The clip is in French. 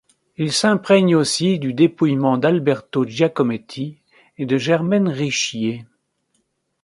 Il s'imprègne aussi du dépouillement d'Alberto Giacometti et de Germaine Richier.